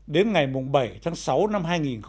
đến ngày bảy tháng sáu năm hai nghìn một mươi bảy